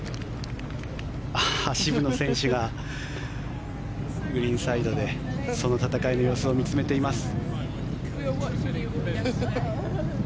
渋野選手がグリーンサイドでその戦いの様子を見つめています。